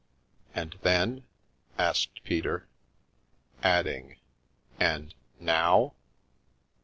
And then?" asked Peter, adding — "and —— now?"